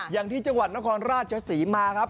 อย่างที่จังหวัดนครราชศรีมาครับ